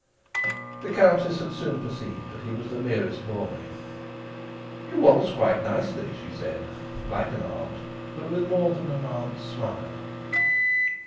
The Countess had soon perceived that he was the merest boy. "You waltz quite nicely!" she said, like an aunt, but with more than an aunt's smile.